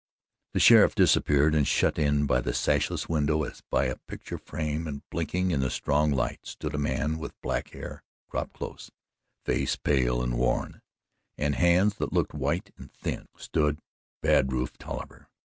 The sheriff disappeared, and shut in by the sashless window as by a picture frame and blinking in the strong light, stood a man with black hair, cropped close, face pale and worn, and hands that looked white and thin stood bad Rufe Tolliver.